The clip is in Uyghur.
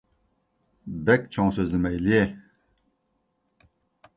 بەك چوڭ سۆزلىمەيلى ،